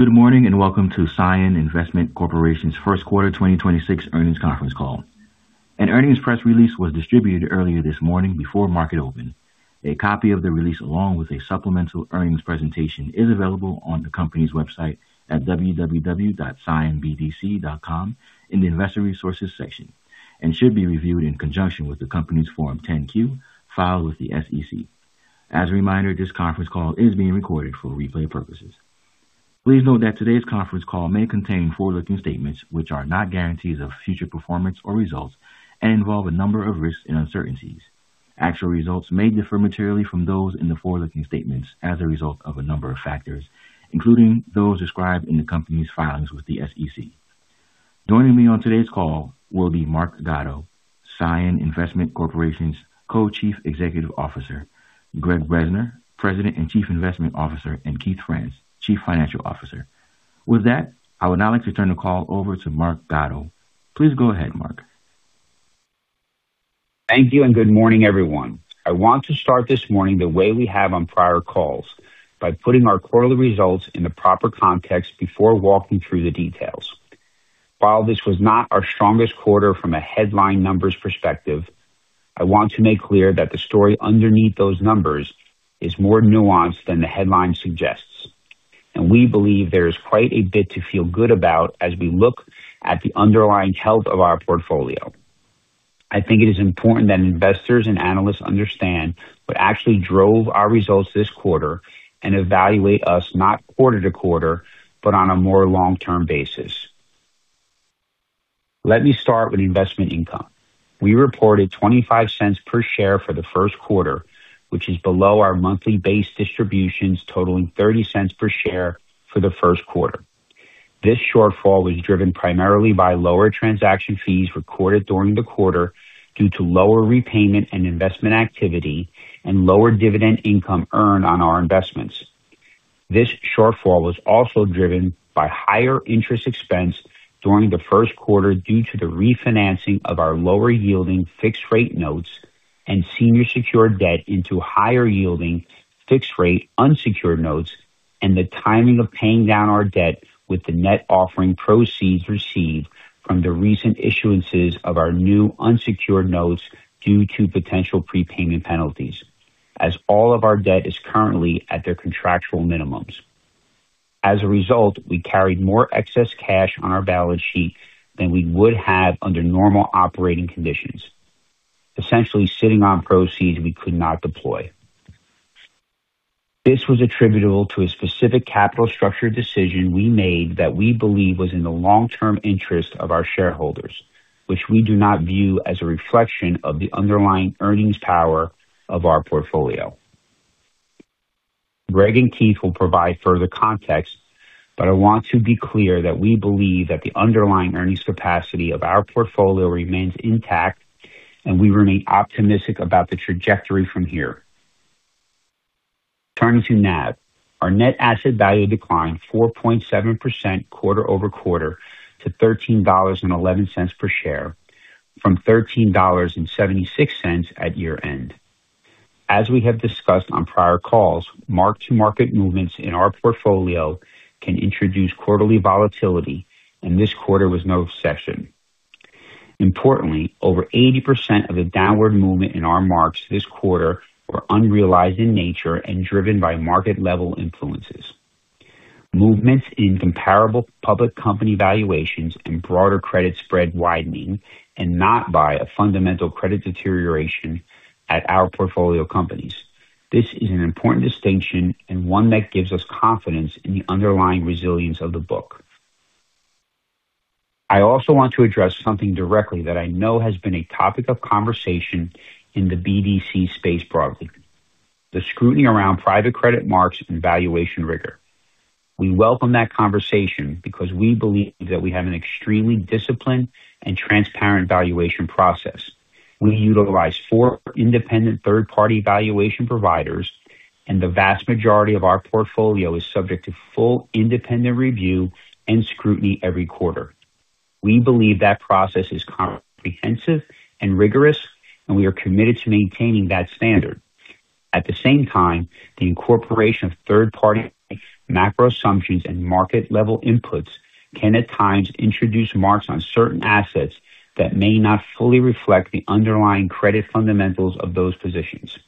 Good morning, and welcome to CION Investment Corporation's first quarter 2026 earnings conference call. An earnings press release was distributed earlier this morning before market open. A copy of the release, along with a supplemental earnings presentation, is available on the company's website at www.cionbdc.com in the Investor Resources section and should be reviewed in conjunction with the company's Form 10-Q filed with the SEC. As a reminder, this conference call is being recorded for replay purposes. Please note that today's conference call may contain forward-looking statements which are not guarantees of future performance or results and involve a number of risks and uncertainties. Actual results may differ materially from those in the forward-looking statements as a result of a number of factors, including those described in the company's filings with the SEC. Joining me on today's call will be Mark Gatto, CION Investment Corporation's Co-Chief Executive Officer, Gregg Bresner, President and Chief Investment Officer, and Keith Franz, Chief Financial Officer. With that, I would now like to turn the call over to Mark Gatto. Please go ahead, Mark. Thank you, and good morning, everyone. I want to start this morning the way we have on prior calls by putting our quarterly results in the proper context before walking through the details. While this was not our strongest quarter from a headline numbers perspective, I want to make clear that the story underneath those numbers is more nuanced than the headline suggests, and we believe there is quite a bit to feel good about as we look at the underlying health of our portfolio. I think it is important that investors and analysts understand what actually drove our results this quarter and evaluate us not quarter to quarter, but on a more long-term basis. Let me start with investment income. We reported $0.25/share for the first quarter, which is below our monthly base distributions totaling $0.30/share for the first quarter. This shortfall was driven primarily by lower transaction fees recorded during the quarter due to lower repayment and investment activity and lower dividend income earned on our investments. This shortfall was also driven by higher interest expense during the first quarter due to the refinancing of our lower yielding fixed-rate notes and senior secured debt into higher yielding fixed-rate unsecured notes and the timing of paying down our debt with the net offering proceeds received from the recent issuances of our new unsecured notes due to potential prepayment penalties as all of our debt is currently at their contractual minimums. As a result, we carried more excess cash on our balance sheet than we would have under normal operating conditions, essentially sitting on proceeds we could not deploy. This was attributable to a specific capital structure decision we made that we believe was in the long-term interest of our shareholders, which we do not view as a reflection of the underlying earnings power of our portfolio. Gregg and Keith will provide further context, but I want to be clear that we believe that the underlying earnings capacity of our portfolio remains intact, and we remain optimistic about the trajectory from here. Turning to NAV. Our net asset value declined 4.7% quarter-over-quarter to $13.11/share from $13.76 at year-end. As we have discussed on prior calls, mark-to-market movements in our portfolio can introduce quarterly volatility, and this quarter was no exception. Importantly, over 80% of the downward movement in our marks this quarter were unrealized in nature and driven by market-level influences. Movements in comparable public company valuations and broader credit spread widening and not by a fundamental credit deterioration at our portfolio companies. This is an important distinction and one that gives us confidence in the underlying resilience of the book. I also want to address something directly that I know has been a topic of conversation in the BDC space broadly, the scrutiny around private credit marks and valuation rigor. We welcome that conversation because we believe that we have an extremely disciplined and transparent valuation process. We utilize four independent third-party valuation providers, and the vast majority of our portfolio is subject to full independent review and scrutiny every quarter. We believe that process is comprehensive and rigorous, and we are committed to maintaining that standard. At the same time, the incorporation of third-party macro assumptions and market-level inputs can at times introduce marks on certain assets that may not fully reflect the underlying credit fundamentals of those positions,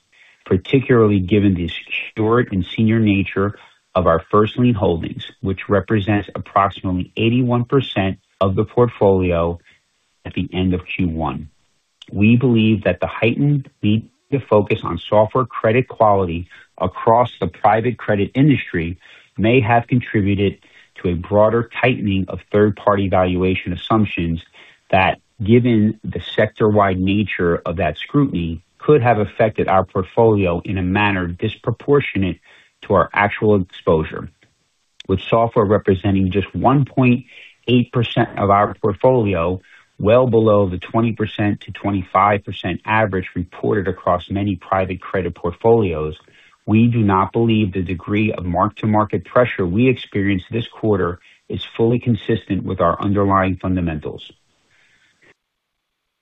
particularly given the secured and senior nature of our first lien holdings, which represents approximately 81% of the portfolio at the end of Q1. We believe that the heightened need to focus on SOFR credit quality across the private credit industry may have contributed to a broader tightening of third-party valuation assumptions that, given the sector-wide nature of that scrutiny, could have affected our portfolio in a manner disproportionate to our actual exposure. With software representing just 1.8% of our portfolio, well below the 20%-25% average reported across many private credit portfolios, we do not believe the degree of mark-to-market pressure we experienced this quarter is fully consistent with our underlying fundamentals.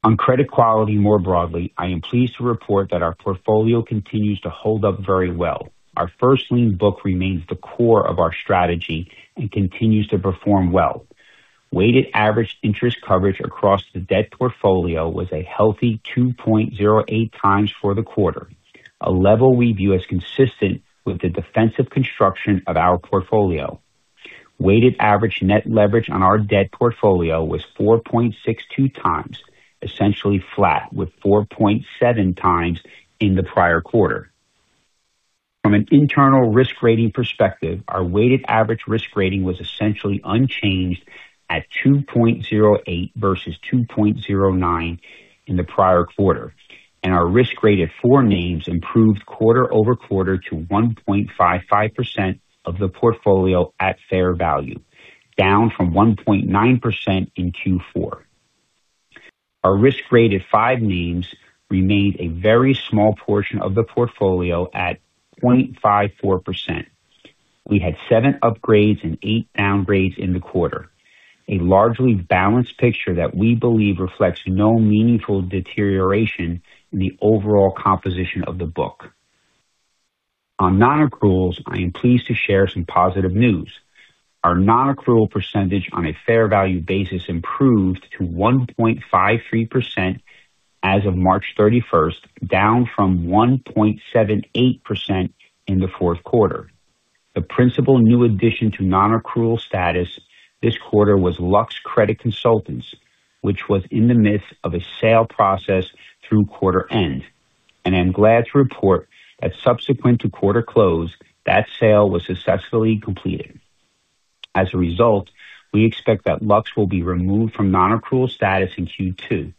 On credit quality more broadly, I am pleased to report that our portfolio continues to hold up very well. Our first lien book remains the core of our strategy and continues to perform well. Weighted average interest coverage across the debt portfolio was a healthy 2.08x for the quarter, a level we view as consistent with the defensive construction of our portfolio. Weighted average net leverage on our debt portfolio was 4.62x, essentially flat, with 4.7x in the prior quarter. From an internal risk rating perspective, our weighted average risk rating was essentially unchanged at 2.08x versus 2.09x in the prior quarter, and our risk rated four names improved quarter-over-quarter to 1.55% of the portfolio at fair value, down from 1.9% in Q4. Our risk rated five names remained a very small portion of the portfolio at 0.54%. We had seven upgrades and eight downgrades in the quarter, a largely balanced picture that we believe reflects no meaningful deterioration in the overall composition of the book. On non-accruals, I am pleased to share some positive news. Our non-accrual percentage on a fair value basis improved to 1.53% as of March 31st, down from 1.78% in the 4th quarter. The principal new addition to non-accrual status this quarter was Lux Credit Consultants, which was in the midst of a sale process through quarter end. I'm glad to report that subsequent to quarter close, that sale was successfully completed. As a result, we expect that Lux will be removed from non-accrual status in Q2.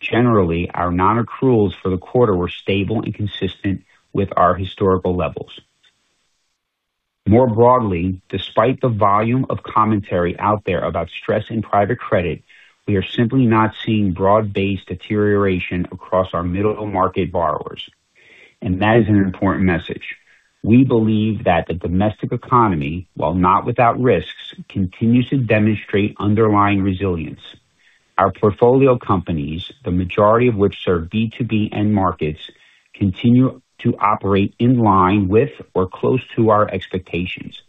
Generally, our non-accruals for the quarter were stable and consistent with our historical levels. More broadly, despite the volume of commentary out there about stress in private credit, we are simply not seeing broad-based deterioration across our middle market borrowers. We believe that the domestic economy, while not without risks, continues to demonstrate underlying resilience. Our portfolio companies, the majority of which serve B2B end markets, continue to operate in line with or close to our expectations.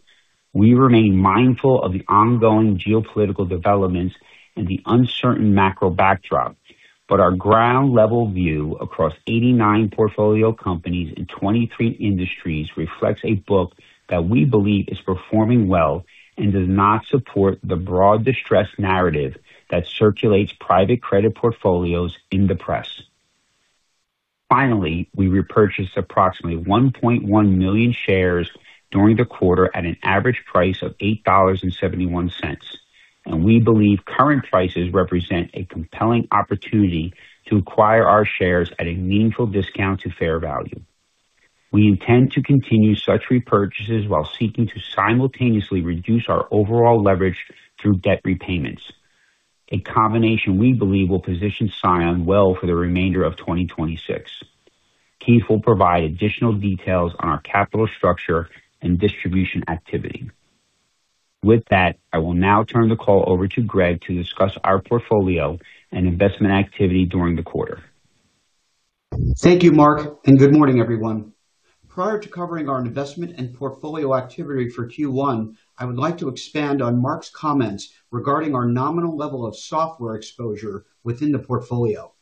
We remain mindful of the ongoing geopolitical developments and the uncertain macro backdrop. Our ground-level view across 89 portfolio companies in 23 industries reflects a book that we believe is performing well and does not support the broad distress narrative that circulates private credit portfolios in the press. Finally, we repurchased approximately 1.1 million shares during the quarter at an average price of $8.71. We believe current prices represent a compelling opportunity to acquire our shares at a meaningful discount to fair value. We intend to continue such repurchases while seeking to simultaneously reduce our overall leverage through debt repayments. A combination we believe will position CION well for the remainder of 2026. Keith will provide additional details on our capital structure and distribution activity. With that, I will now turn the call over to Gregg to discuss our portfolio and investment activity during the quarter. Thank you, Mark, and good morning, everyone. Prior to covering our investment and portfolio activity for Q1, I would like to expand on Mark's comments regarding our nominal level of software exposure within the portfolio.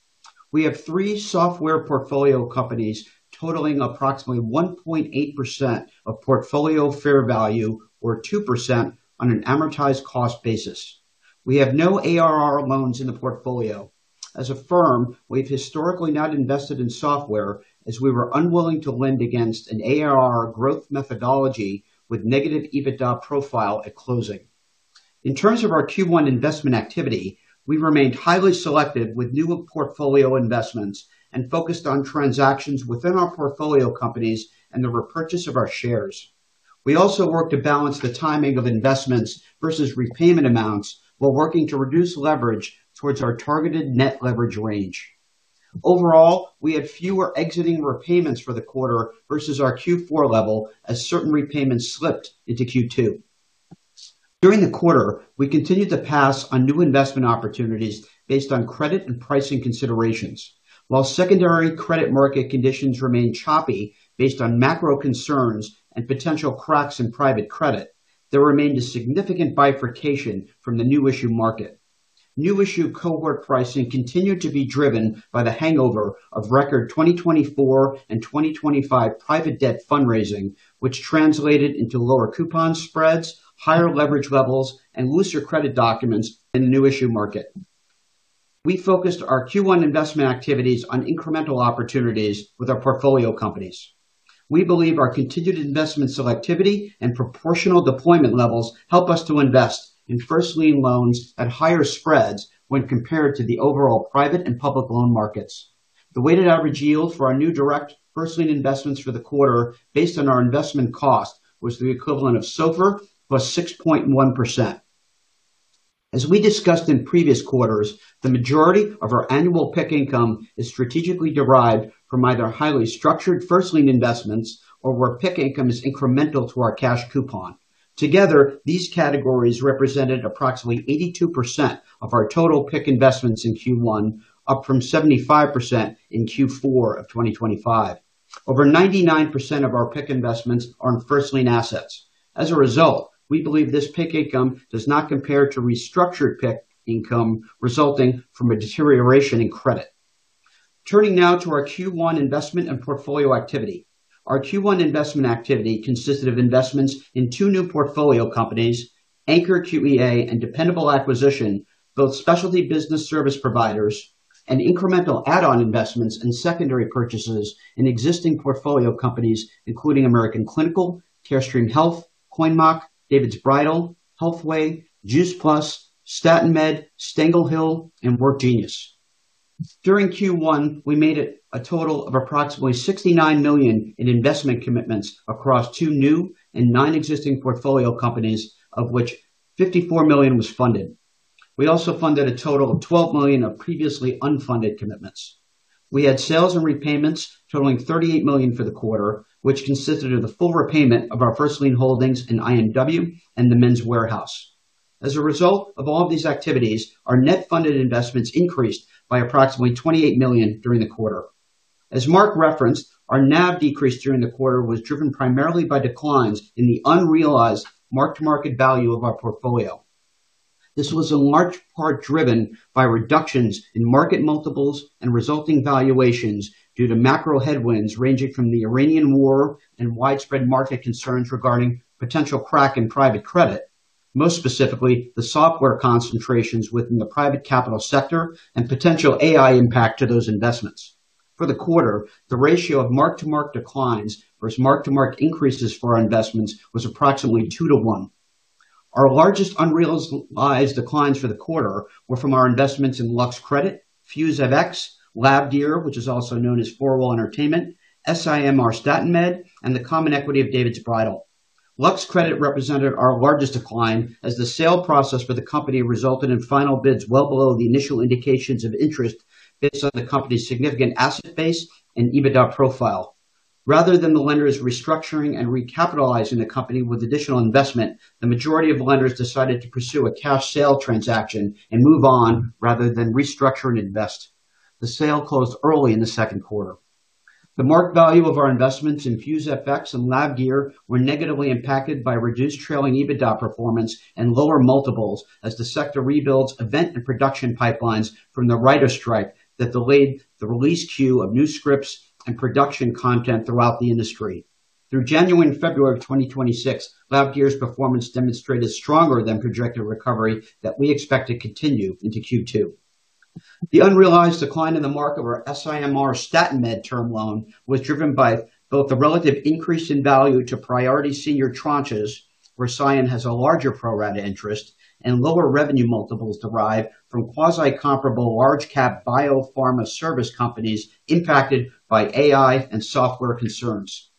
We have three software portfolio companies totaling approximately 1.8% of portfolio fair value or 2% on an amortized cost basis. We have no ARR loans in the portfolio. As a firm, we've historically not invested in software as we were unwilling to lend against an ARR growth methodology with negative EBITDA profile at closing. In terms of our Q1 investment activity, we remained highly selective with new portfolio investments and focused on transactions within our portfolio companies and the repurchase of our shares. We also worked to balance the timing of investments versus repayment amounts while working to reduce leverage towards our targeted net leverage range. Overall, we had fewer exiting repayments for the quarter versus our Q4 level as certain repayments slipped into Q2. During the quarter, we continued to pass on new investment opportunities based on credit and pricing considerations. While secondary credit market conditions remained choppy based on macro concerns and potential cracks in private credit, there remained a significant bifurcation from the new issue market. New issue cohort pricing continued to be driven by the hangover of record 2024 and 2025 private debt fundraising, which translated into lower coupon spreads, higher leverage levels, and looser credit documents in the new issue market. We focused our Q1 investment activities on incremental opportunities with our portfolio companies. We believe our continued investment selectivity and proportional deployment levels help us to invest in first lien loans at higher spreads when compared to the overall private and public loan markets. The weighted average yield for our new direct first lien investments for the quarter based on our investment cost was the equivalent of SOFR plus 6.1%. As we discussed in previous quarters, the majority of our annual PIK income is strategically derived from either highly structured first lien investments or where PIK income is incremental to our cash coupon. Together, these categories represented approximately 82% of our total PIK investments in Q1, up from 75% in Q4 of 2025. Over 99% of our PIK investments are in first lien assets. As a result, we believe this PIK income does not compare to restructured PIK income resulting from a deterioration in credit. Turning now to our Q1 investment and portfolio activity. Our Q1 investment activity consisted of investments in two new portfolio companies, Anchor QEA and Dependable Acquisition, both specialty business service providers and incremental add-on investments and secondary purchases in existing portfolio companies, including American Clinical, Carestream Health, Coinmach, David's Bridal, HealthWay, Juice Plus+, STAT-MED, Stengel Hill, and WorkGenius. During Q1, we made a total of approximately $69 million in investment commitments across two new and nine existing portfolio companies, of which $54 million was funded. We also funded a total of $12 million of previously unfunded commitments. We had sales and repayments totaling $38 million for the quarter, which consisted of the full repayment of our first lien holdings in IMW and The Men's Wearhouse. As a result of all these activities, our net funded investments increased by approximately $28 million during the quarter. As Mark referenced, our NAV decrease during the quarter was driven primarily by declines in the unrealized mark-to-market value of our portfolio. This was in large part driven by reductions in market multiples and resulting valuations due to macro headwinds ranging from the Iranian war and widespread market concerns regarding potential crack in private credit, most specifically, the software concentrations within the private capital sector and potential AI impact to those investments. For the quarter, the ratio of mark-to-market declines versus mark-to-market increases for our investments was approximately two to one. Our largest unrealized declines for the quarter were from our investments in Lux Credit, FuseFX, Labgear, which is also known as 4Wall Entertainment, SIMR Statin Med, and the common equity of David's Bridal. Lux Credit represented our largest decline as the sale process for the company resulted in final bids well below the initial indications of interest based on the company's significant asset base and EBITDA profile. Rather than the lenders restructuring and recapitalizing the company with additional investment, the majority of lenders decided to pursue a cash sale transaction and move on rather than restructure and invest. The sale closed early in the second quarter. The mark value of our investments in FuseFX and Labgear were negatively impacted by reduced trailing EBITDA performance and lower multiples as the sector rebuilds event and production pipelines from the writer strike that delayed the release queue of new scripts and production content throughout the industry. Through January and February of 2026, Lab Gear's performance demonstrated stronger than projected recovery that we expect to continue into Q2. The unrealized decline in the mark of our SIMR Statin Med term loan was driven by both the relative increase in value to priority senior tranches, where CION has a larger pro-rata interest and lower revenue multiples derived from quasi comparable large cap biopharma service companies impacted by AI and software concerns.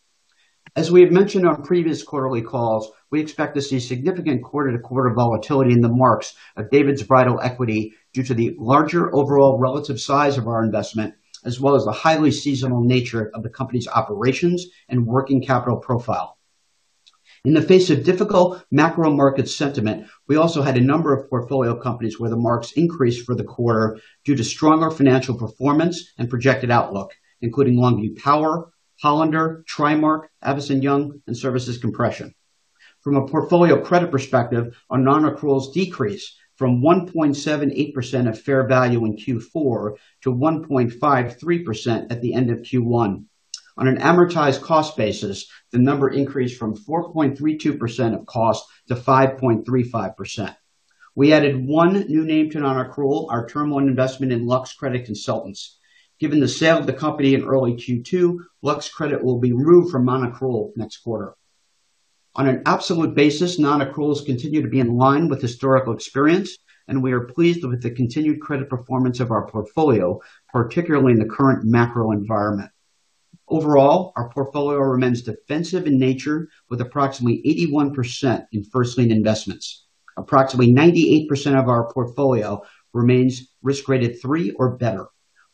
As we have mentioned on previous quarterly calls, we expect to see significant quarter-to-quarter volatility in the marks of David's Bridal equity due to the larger overall relative size of our investment, as well as the highly seasonal nature of the company's operations and working capital profile. In the face of difficult macro market sentiment, we also had a number of portfolio companies where the marks increased for the quarter due to stronger financial performance and projected outlook, including Longview Power, Hollander, TriMark, Avison Young, and Nova Compression. From a portfolio credit perspective, our non-accruals decreased from 1.78% of fair value in Q4 to 1.53% at the end of Q1. On an amortized cost basis, the number increased from 4.32% of cost to 5.35%. We added one new name to non-accrual, our term loan investment in Lux Credit Consultants. Given the sale of the company in early Q2, Lux Credit will be removed from non-accrual next quarter. On an absolute basis, non-accruals continue to be in line with historical experience, and we are pleased with the continued credit performance of our portfolio, particularly in the current macro environment. Overall, our portfolio remains defensive in nature with approximately 81% in first lien investments. Approximately 98% of our portfolio remains risk-graded three or better.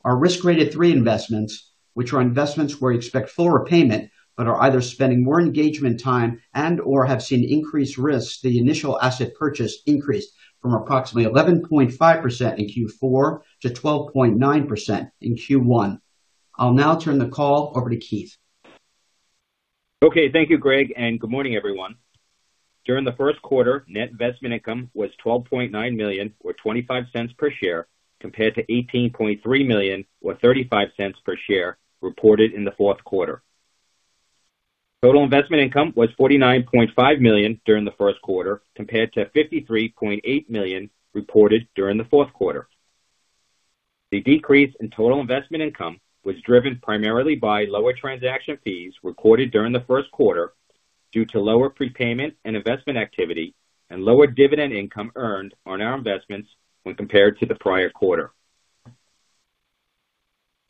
Our risk-graded three investments, which are investments where we expect full repayment, but are either spending more engagement time and/or have seen increased risks, the initial asset purchase increased from approximately 11.5% in Q4 to 12.9% in Q1. I'll now turn the call over to Keith. Okay. Thank you, Gregg, and good morning, everyone. During the first quarter, net investment income was $12.9 million or $0.25/share, compared to $18.3 million or $0.35/share reported in the fourth quarter. Total investment income was $49.5 million during the first quarter, compared to $53.8 million reported during the fourth quarter. The decrease in total investment income was driven primarily by lower transaction fees recorded during the first quarter due to lower prepayment and investment activity and lower dividend income earned on our investments when compared to the prior quarter.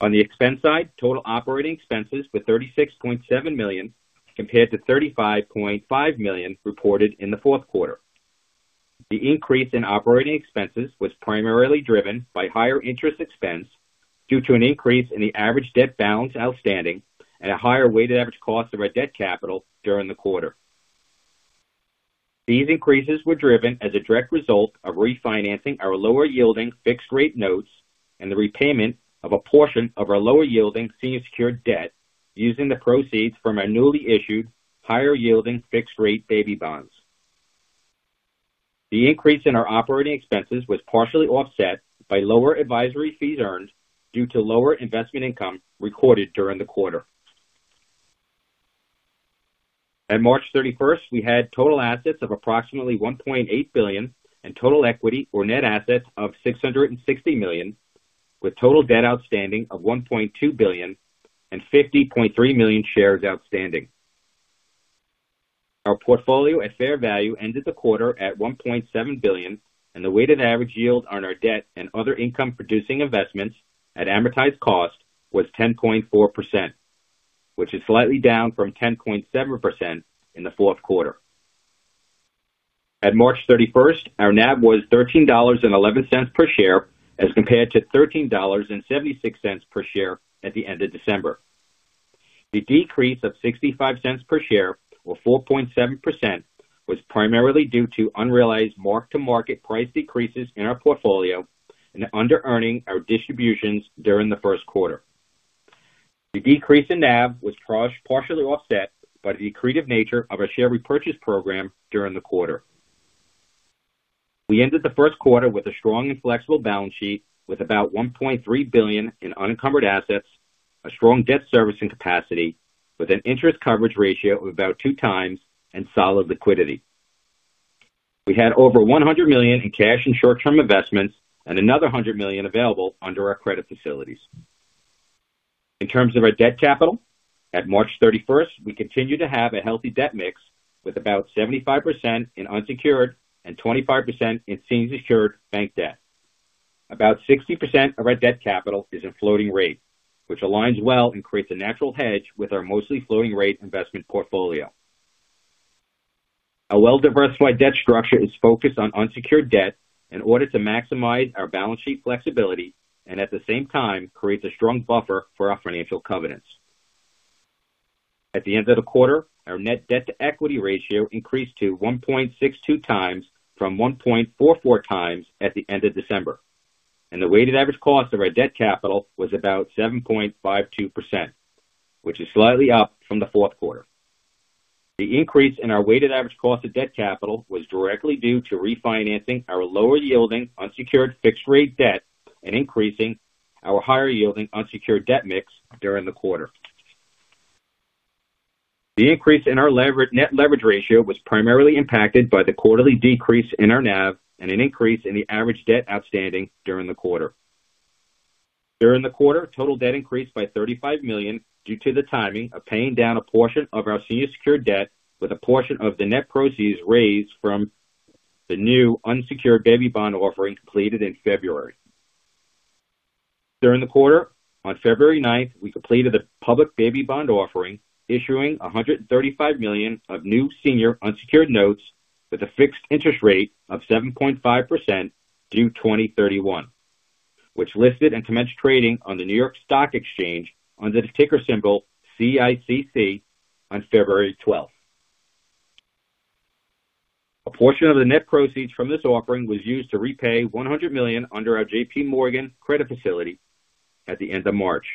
On the expense side, total operating expenses were $36.7 million, compared to $35.5 million reported in the fourth quarter. The increase in operating expenses was primarily driven by higher interest expense due to an increase in the average debt balance outstanding and a higher weighted average cost of our debt capital during the quarter. These increases were driven as a direct result of refinancing our lower yielding fixed rate notes and the repayment of a portion of our lower yielding senior secured debt using the proceeds from our newly issued higher yielding fixed rate baby bonds. The increase in our operating expenses was partially offset by lower advisory fees earned due to lower investment income recorded during the quarter. At March 31st, we had total assets of approximately $1.8 billion and total equity or net assets of $660 million, with total debt outstanding of $1.2 billion and 50.3 million shares outstanding. Our portfolio at fair value ended the quarter at $1.7 billion, and the weighted average yield on our debt and other income producing investments at amortized cost was 10.4%, which is slightly down from 10.7% in the fourth quarter. At March 31st, our NAV was $13.11/share as compared to $13.76/share at the end of December. The decrease of $0.65/share, or 4.7%, was primarily due to unrealized mark-to-market price decreases in our portfolio and under-earning our distributions during the first quarter. The decrease in NAV was partially offset by the accretive nature of our share repurchase program during the quarter. We ended the first quarter with a strong and flexible balance sheet with about $1.3 billion in unencumbered assets, a strong debt servicing capacity with an interest coverage ratio of about 2x and solid liquidity. We had over $100 million in cash and short-term investments and another $100 million available under our credit facilities. In terms of our debt capital, at March 31st, we continue to have a healthy debt mix with about 75% in unsecured and 25% in senior secured bank debt. About 60% of our debt capital is in floating rate, which aligns well and creates a natural hedge with our mostly floating rate investment portfolio. A well-diversified debt structure is focused on unsecured debt in order to maximize our balance sheet flexibility and at the same time creates a strong buffer for our financial covenants. At the end of the quarter, our net debt to equity ratio increased to 1.62x from 1.44x at the end of December, and the weighted average cost of our debt capital was about 7.52%, which is slightly up from the fourth quarter. The increase in our weighted average cost of debt capital was directly due to refinancing our lower yielding unsecured fixed rate debt and increasing our higher yielding unsecured debt mix during the quarter. The increase in our net leverage ratio was primarily impacted by the quarterly decrease in our NAV and an increase in the average debt outstanding during the quarter. During the quarter, total debt increased by $35 million due to the timing of paying down a portion of our senior secured debt with a portion of the net proceeds raised from the new unsecured baby bond offering completed in February. During the quarter, on February 9th, we completed a public baby bond offering issuing $135 million of new senior unsecured notes with a fixed interest rate of 7.5% due 2031, which listed and commenced trading on the New York Stock Exchange under the ticker symbol CICC on February 12th. A portion of the net proceeds from this offering was used to repay $100 million under our JPMorgan credit facility at the end of March.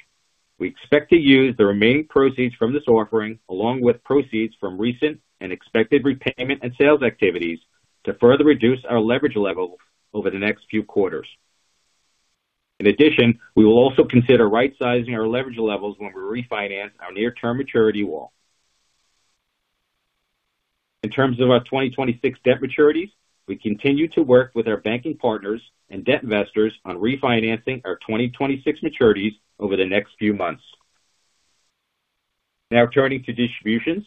We expect to use the remaining proceeds from this offering, along with proceeds from recent and expected repayment and sales activities, to further reduce our leverage level over the next few quarters. In addition, we will also consider rightsizing our leverage levels when we refinance our near-term maturity wall. In terms of our 2026 debt maturities, we continue to work with our banking partners and debt investors on refinancing our 2026 maturities over the next few months. Turning to distributions.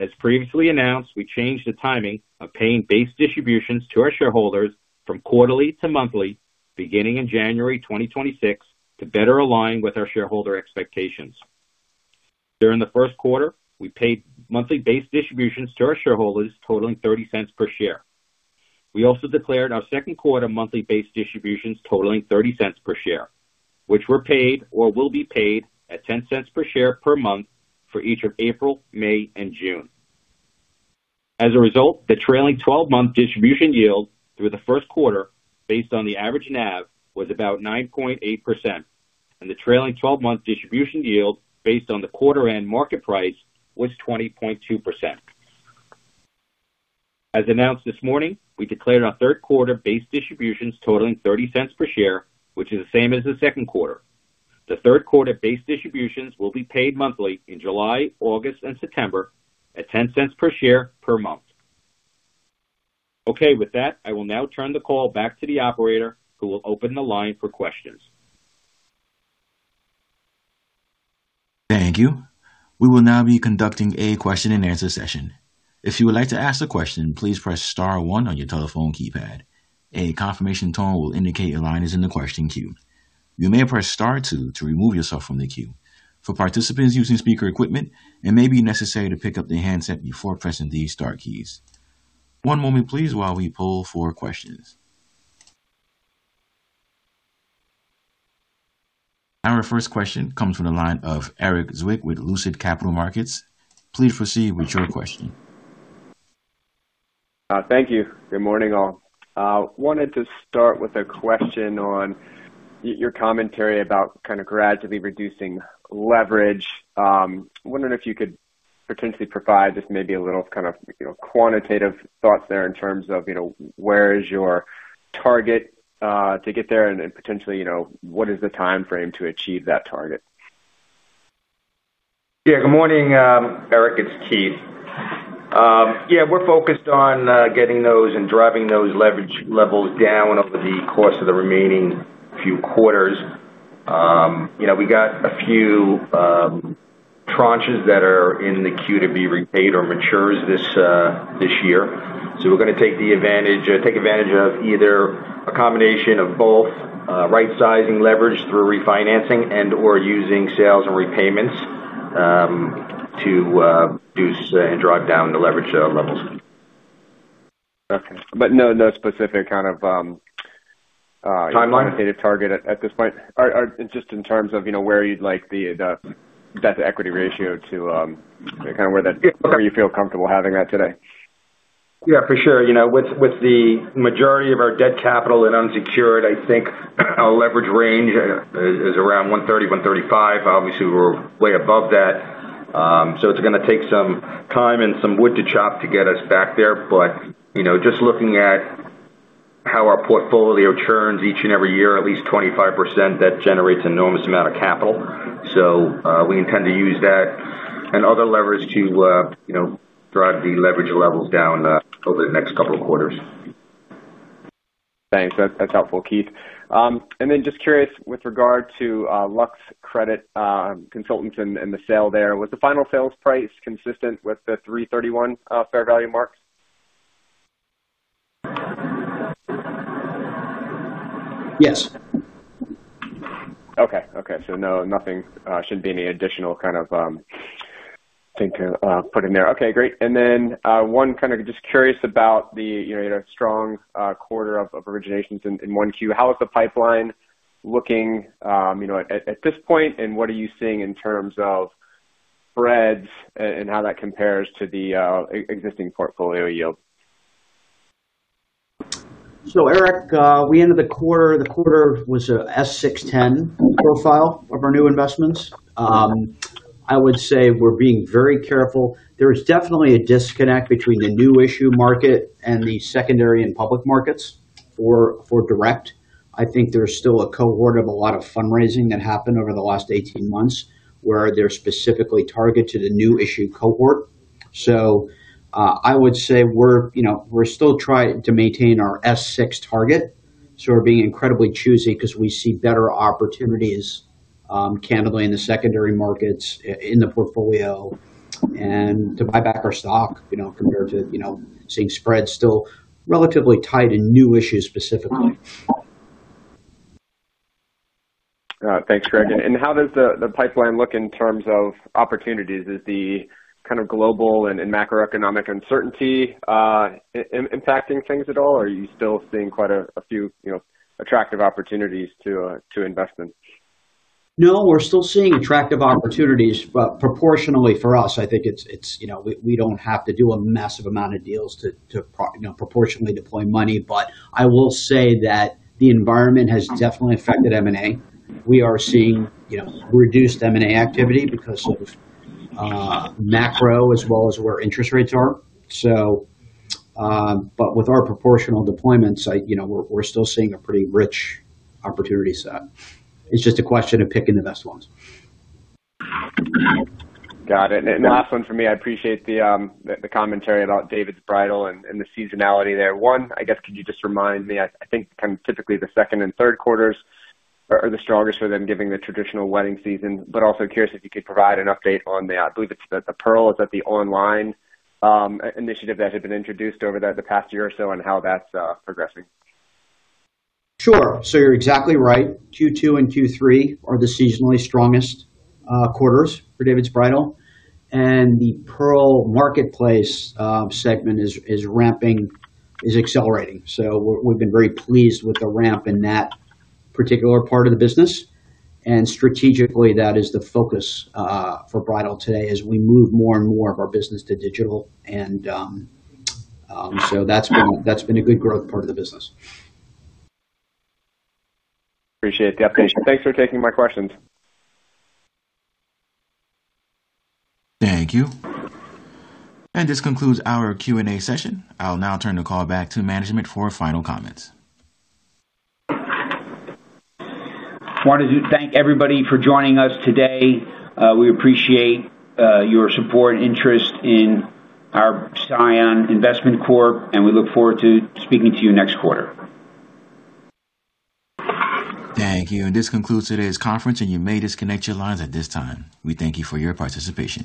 As previously announced, we changed the timing of paying base distributions to our shareholders from quarterly to monthly beginning in January 2026 to better align with our shareholder expectations. During the first quarter, we paid monthly base distributions to our shareholders totaling $0.30/share. We also declared our second quarter monthly base distributions totaling $0.30/share. Which were paid or will be paid at $0.10/share per month for each of April, May, and June. As a result, the trailing twelve-month distribution yield through the first quarter based on the average NAV was about 9.8%, and the trailing twelve-month distribution yield based on the quarter end market price was 20.2%. As announced this morning, we declared our third quarter base distributions totaling $0.30/share, which is the same as the second quarter. The third quarter base distributions will be paid monthly in July, August, and September at $0.10/share per month. Okay. With that, I will now turn the call back to the operator who will open the line for questions. Thank you. We will now be conducting a question and answer session. If you would like to ask a question, please press star one on your telephone keypad. A confirmation tone will indicate your line is in the question queue. You may press star two to remove yourself from the queue. For participants using speaker equipment, it may be necessary to pick up the handset before pressing these star keys. One moment please while we poll for questions. Our first question comes from the line of Erik Zwick with Lucid Capital Markets. Please proceed with your question. Thank you. Good morning, all. Wanted to start with a question on your commentary about kind of gradually reducing leverage. Wondering if you could potentially provide just maybe a little kind of, you know, quantitative thoughts there in terms of, you know, where is your target, to get there and potentially, you know, what is the timeframe to achieve that target? Good morning, Erik. It's Keith. We're focused on getting those and driving those leverage levels down over the course of the remaining few quarters. You know, we got a few tranches that are in the queue to be repaid or matures this year. We're gonna take advantage of either a combination of both, right-sizing leverage through refinancing and/or using sales and repayments to reduce and drive down the leverage levels. Okay. No specific kind of. Timeline? Quantitative target at this point? Or just in terms of, you know, where you'd like the debt-to-equity ratio to? Yeah. Okay. Where you feel comfortable having that today? Yeah, for sure. You know, with the majority of our debt capital and unsecured, I think our leverage range is around 1.30x-1.35x. Obviously, we're way above that. It's gonna take some time and some wood to chop to get us back there. You know, just looking at how our portfolio churns each and every year, at least 25%, that generates enormous amount of capital. We intend to use that and other levers to, you know, drive the leverage levels down over the next couple of quarters. Thanks. That's helpful, Keith. Then just curious with regard to Lux Credit Consultants and the sale there. Was the final sales price consistent with the 3/31 fair value mark? Yes. Okay. Okay. No, nothing shouldn't be any additional kind of, I think, put in there. Okay, great. One kind of just curious about the, you know, strong quarter of originations in one Q. How is the pipe-ine looking, you know, at this point, and what are you seeing in terms of spreads and how that compares to the existing portfolio yield? Erik, we ended the quarter. The quarter was a S-6-10 profile of our new investments. I would say we're being very careful. There is definitely a disconnect between the new issue market and the secondary and public markets for direct. I think there's still a cohort of a lot of fundraising that happened over the last 18 months, where they're specifically targeted to the new issue cohort. I would say we're, you know, we're still trying to maintain our S-6 target. We're being incredibly choosy because we see better opportunities, candidly in the secondary markets in the portfolio and to buy back our stock, you know, compared to, you know, seeing spreads still relatively tight in new issues specifically. Thanks, Gregg. How does the pipeline look in terms of opportunities? Is the kind of global and macroeconomic uncertainty impacting things at all, or are you still seeing quite a few, you know, attractive opportunities to invest in? No, we're still seeing attractive opportunities, proportionally for us, I think it's, you know, we don't have to do a massive amount of deals to proportionally deploy money. I will say that the environment has definitely affected M&A. We are seeing, you know, reduced M&A activity because of macro as well as where interest rates are. With our proportional deployments, you know, we're still seeing a pretty rich opportunity set. It's just a question of picking the best ones. Got it. Last one for me. I appreciate the commentary about David's Bridal and the seasonality there. One, I guess, could you just remind me, I think kind of typically the second and third quarters are the strongest for them given the traditional wedding season. Also curious if you could provide an update on the, I believe it's the Pearl. Is that the online initiative that had been introduced over the past year or so, and how that's progressing? Sure. You're exactly right. Q two and Q three are the seasonally strongest quarters for David's Bridal. The Pearl Marketplace segment is ramping, is accelerating. We've been very pleased with the ramp in that particular part of the business. Strategically, that is the focus for Bridal today as we move more and more of our business to digital. That's been a good growth part of the business. Appreciate the update. Thanks for taking my questions. Thank you. This concludes our Q&A session. I will now turn the call back to management for final comments. Wanted to thank everybody for joining us today. We appreciate your support and interest in our CION Investment Corp, and we look forward to speaking to you next quarter. Thank you. This concludes today's conference, and you may disconnect your lines at this time. We thank you for your participation.